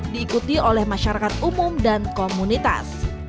diikuti oleh masyarakat umum dan komunitas